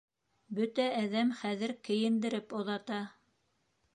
Бөтә әҙәм хәҙер кейендереп оҙата.